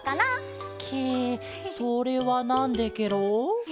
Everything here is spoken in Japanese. ケそれはなんでケロ？